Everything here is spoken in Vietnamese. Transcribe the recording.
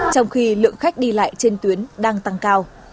trong khi lượng khách đi lại trên tuyến đang tăng cao